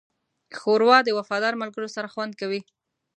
ښوروا د وفادار ملګرو سره خوند کوي.